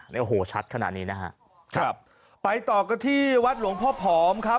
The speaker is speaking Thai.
โอ้โหชัดขนาดนี้นะฮะครับไปต่อกันที่วัดหลวงพ่อผอมครับ